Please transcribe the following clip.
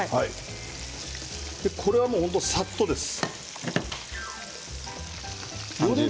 これは、さっとです。